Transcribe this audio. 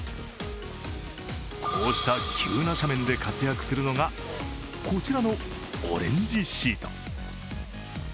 こうした急な斜面で活躍するのがこちらのオレンジシート。